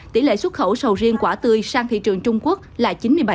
tỷ lệ xuất khẩu sầu riêng quả tươi sang thị trường trung quốc là chín mươi bảy